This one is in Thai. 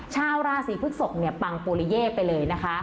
ชาวราศีพฤกษกปังปูลเย้ไปเลยนะคะ